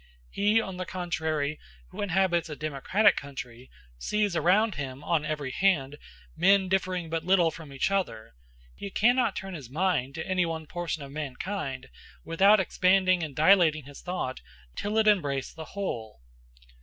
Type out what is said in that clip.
He, on the contrary, who inhabits a democratic country, sees around him, one very hand, men differing but little from each other; he cannot turn his mind to any one portion of mankind, without expanding and dilating his thought till it embrace the whole.